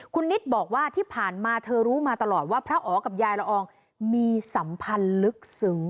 คุณนิดบอกว่าที่ผ่านมาเธอรู้มาตลอดว่าพระอ๋อกับยายละอองมีสัมพันธ์ลึกซึ้ง